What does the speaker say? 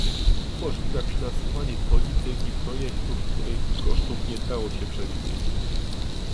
Umożliwia finansowanie polityk i projektów, których kosztów nie dało się przewidzieć